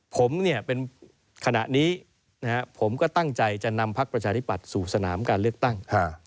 ผมเนี่ยเป็นขณะนี้ผมก็ตั้งใจจะนำพักประชาธิปัตย์สู่สนามการเลือกตั้ง